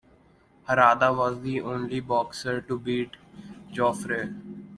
Harada was the only boxer to beat Jofre.